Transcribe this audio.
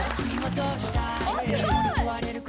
「あっすごい！」